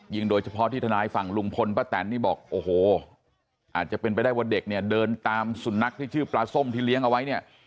โดยเฉพาะที่ทนายฝั่งลุงพลป้าแตนนี่บอกโอ้โหอาจจะเป็นไปได้ว่าเด็กเนี่ยเดินตามสุนัขที่ชื่อปลาส้มที่เลี้ยงเอาไว้เนี่ย